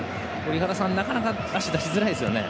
井原さん、なかなか足を出しづらいですね。